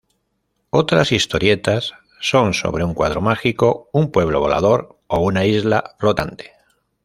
Otras historietas son sobre un cuadro mágico, un pueblo volador o una isla flotante.